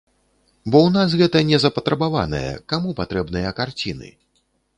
Бо ў нас гэта не запатрабаванае, каму патрэбныя карціны?